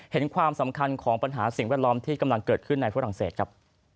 ความสำคัญของปัญหาสิ่งแวดล้อมที่กำลังเกิดขึ้นในฝรั่งเศสครับ